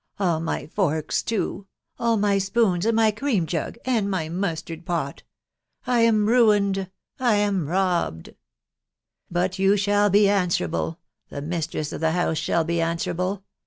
... All my forks too !.... all my spoons, and my cream jug, and my mustard pot !.... I am niined — I am robbed !..•. But you shall be answerable, — the mistress of the house shall be answerable.